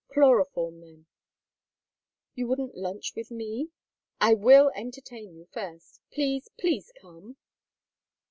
Chloroform them " "You wouldn't lunch with me?" "I will entertain you first. Please, please, come!"